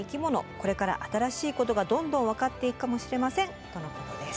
これから新しいことがどんどん分かっていくかもしれませんとのことです。